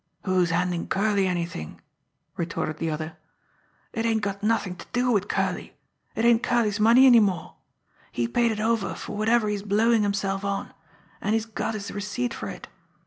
"Who's handin' Curley anything!" retorted the other. "It ain't got nothin' to do wid Curley. It ain't Curley's money any more. He paid it over for whatever he's blowin' himself on, an' he's got his receipt for it.